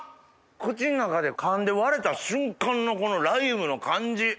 口ん中でかんで割れた瞬間のこのライムの感じ。